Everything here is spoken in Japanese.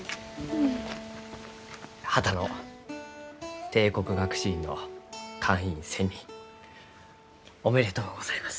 波多野帝国学士院の会員選任おめでとうございます。